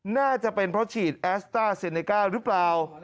น่าจะเป็นเพราะฉีดแอสต้าเซเนก้าหรือเปล่า